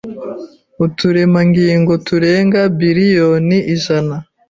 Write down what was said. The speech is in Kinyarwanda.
Uturemangingo turenga Biriyoni ijana